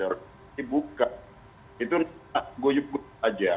itu di buka itu gue jeput aja